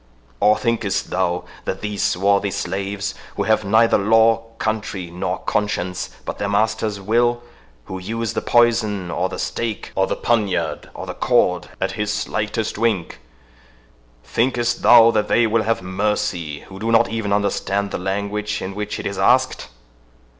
—or thinkest thou that these swarthy slaves, who have neither law, country, nor conscience, but their master's will—who use the poison, or the stake, or the poniard, or the cord, at his slightest wink—thinkest thou that THEY will have mercy, who do not even understand the language in which it is asked?